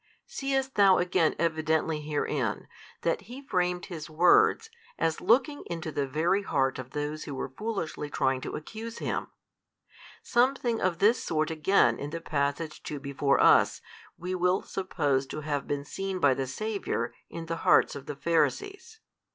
Seest thou again evidently herein, that He framed His words as looking into the very heart of those who were foolishly trying to accuse Him? Something of this sort again in the passage too before us |296 we will suppose to have been seen by the Saviour in the hearts of the Pharisees.